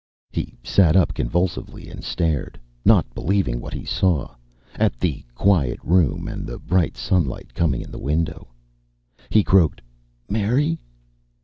He sat up convulsively and stared, not believing what he saw, at the quiet room and the bright sunlight coming in the window. He croaked, "Mary?"